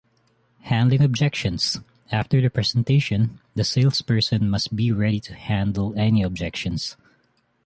Handling objections-After the presentation, the sales person must be ready to handle any objections.